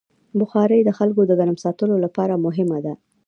بخاري د خلکو د ګرم ساتلو لپاره مهمه ده.